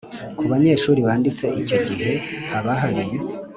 Ku banyeshuri banditse icyo gihe haba hari